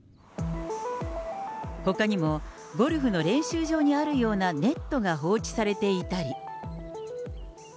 ほかにもゴルフの練習場にあるようなネットが放置されていたり。